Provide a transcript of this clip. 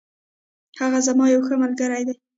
هغه زما یو ښه ملگری دی.